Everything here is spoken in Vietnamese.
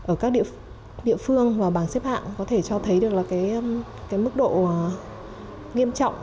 ở các địa phương mà bảng xếp hạng có thể cho thấy được là cái mức độ nghiêm trọng